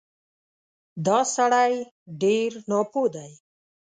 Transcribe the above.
دا سړی ډېر ناپوه دی